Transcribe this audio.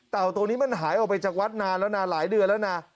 ตัวนี้มันหายออกไปจากวัดนานแล้วนะหลายเดือนแล้วนะ